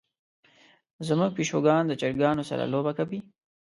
زمونږ پیشو د چرګانو سره لوبه کوي.